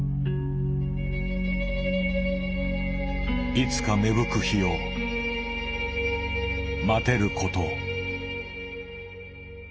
いつか芽吹く日を待てること。